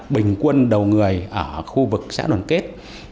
bình quân đầu người ở khu vực xã đoàn kết